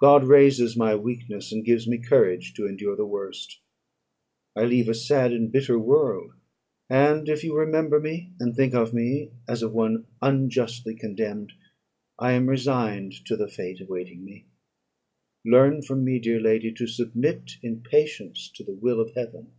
God raises my weakness, and gives me courage to endure the worst. I leave a sad and bitter world; and if you remember me, and think of me as of one unjustly condemned, I am resigned to the fate awaiting me. Learn from me, dear lady, to submit in patience to the will of Heaven!"